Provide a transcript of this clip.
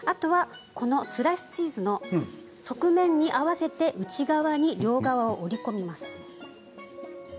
スライスチーズの側面に合わせて内側に両側を折り込みます。